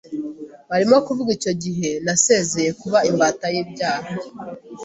birimo kuva icyo gihe nasezeye kuba imbata y’ibyaha